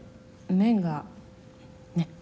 麺がねっ。